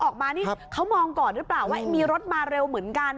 ออกมานี่เขามองก่อนหรือเปล่าว่ามีรถมาเร็วเหมือนกัน